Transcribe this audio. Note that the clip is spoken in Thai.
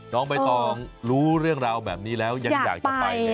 น้องใบตองรู้เรื่องราวแบบนี้แล้วยังอยากจะไปเลย